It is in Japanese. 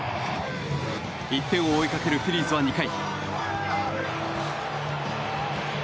１点を追いかけるフィリーズは２回。